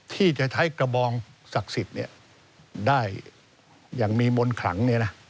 ที่จะใช้กระบองศักดิ์สิทธิ์ได้อย่างมีมนต์ขลัง